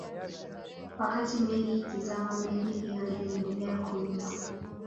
wakati meli ikizama bendi hiyo iliendelea kuimba